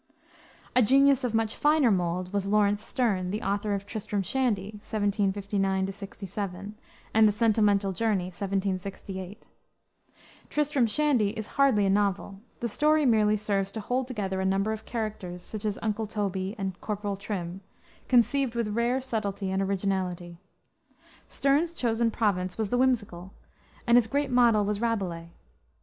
A genius of much finer mold was Lawrence Sterne, the author of Tristram Shandy, 1759 67, and the Sentimental Journey, 1768. Tristram Shandy is hardly a novel: the story merely serves to hold together a number of characters, such as Uncle Toby and Corporal Trim, conceived with rare subtlety and originality. Sterne's chosen province was the whimsical, and his great model was Rabelais.